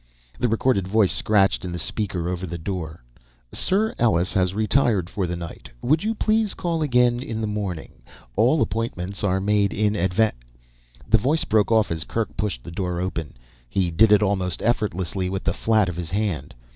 The recorded voice scratched in the speaker over the door. "Sire Ellus has retired for the night, would you please call again in the morning. All appointments are made in advan " The voice broke off as Kerk pushed the door open. He did it almost effortlessly with the flat of his hand.